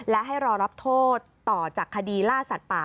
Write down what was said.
และให้รอรับโทษต่อจากคดีล่าสัตว์ป่า